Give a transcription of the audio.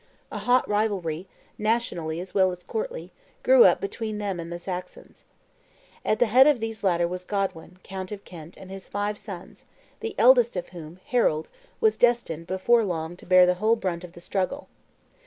A hot rivalry, nationally as well as courtly, grew up between them and the Saxons. At the head of these latter was Godwin, count of Kent, and his five sons, the eldest of whom, Harold, was destined before long to bear the whole brunt of the struggle.